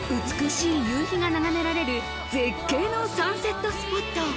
美しい夕日が眺められる絶景のサンセットスポット。